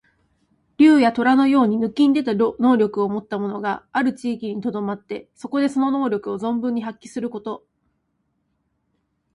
竜や、とらのように抜きんでた能力をもった者がある地域にとどまって、そこでその能力を存分に発揮すること。